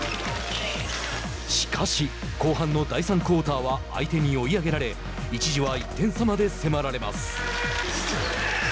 しかし、後半の第３クオーターは相手に追い上げられ一時は１点差まで迫られます。